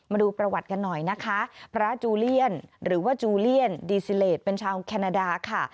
มาดูประวัติกันหน่อยนะคะพระจูเลียนหรือว่าจูเลียนดีซิเลสเป็นชาวแคนาดาค่ะ